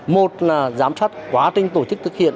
một là giám sát quá trình tổ chức thực hiện